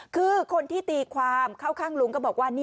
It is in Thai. คือคนที่ตีความเข้าข้างลุงก็บอกว่า